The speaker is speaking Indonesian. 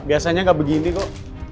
biasanya enggak begini kok